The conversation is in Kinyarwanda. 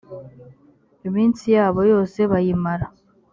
iminsi yabo yose bayimara